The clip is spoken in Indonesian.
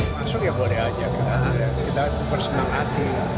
masuk ya boleh aja kita bersemangati